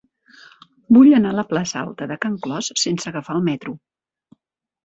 Vull anar a la plaça Alta de Can Clos sense agafar el metro.